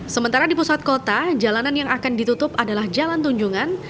sementara di pusat kota jalanan yang akan ditutup adalah jalan tunjungan